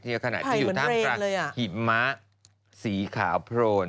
ในขณะที่อยู่ทางหิมะสีขาวโพรน